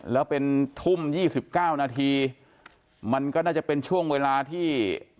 แล้วเป็นทุ่ม๒๙นาทีมันก็น่าจะเป็นช่วงเวลาที่